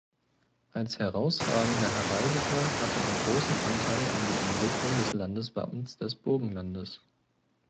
Als herausragender Heraldiker hatte er großen Anteil an die Entwicklung des Landeswappens des Burgenlandes.